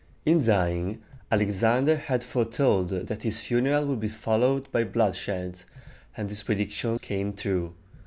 In dying, Alexander had foretold that his funeral would be followed by bloodshed, and this prediction came true.